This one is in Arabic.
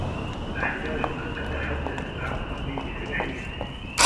أحتاج أن أتحدّث مع الطّبيب في الحين.